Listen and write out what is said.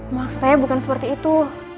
maksudnya bukan seperti itu